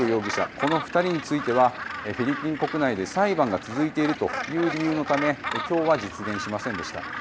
この２人についてはフィリピン国内で裁判が続いているという理由のため今日は実現しませんでした。